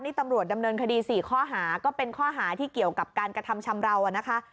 นี่ตำรวจดำเนินคดี๔ข้อหาก็เป็นข้อหาที่เกี่ยวกับการกระทำชำราวนะคะ